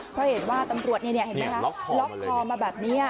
เพราะเห็นว่าตำรวจล็อคคอลมาแบบนี้